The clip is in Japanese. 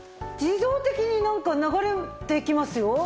自動的になんか流れていきますよ。